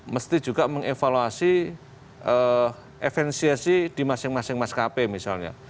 mesti juga mengevaluasi efisiensi di masing masing mas kp misalnya